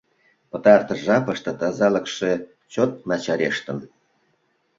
Пытартыш жапыште тазалыкше чот начарештын.